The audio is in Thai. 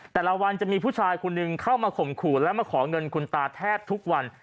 แต่ละวันจะมีผู้ชายคนหนึ่งเข้ามาข่มขู่และมาขอเงินคุณตาแทบทุกวัน